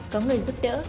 có người giúp đỡ